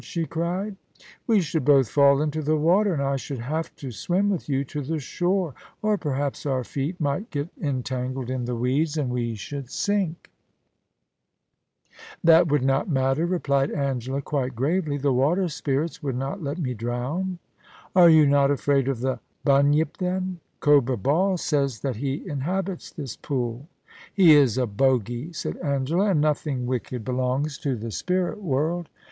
* she cried * We should both fall into the water, and I should have to swim with you to the shore ; or perhaps our feet might get entangled in the weeds, and we should sink.' 126 POLICY AND PASSION. 'That would not matter/ replied Angela, quite gravely. * The water spirits would not let me drown.' * Are you not afraid of the Bunyip, then ? Cobra Ball says that he inhabits this pool.' *He is a bogie/ said Angela. *And nothing wicked belongs to the spirit world.'